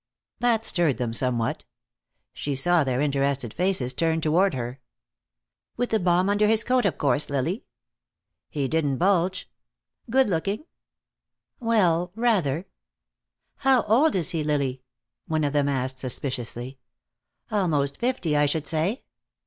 That stirred them somewhat. She saw their interested faces turned toward her. "With a bomb under his coat, of course, Lily." "He didn't bulge." "Good looking?" "Well, rather." "How old is he, Lily?" one of them asked, suspiciously. "Almost fifty, I should say."